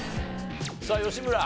さあ吉村。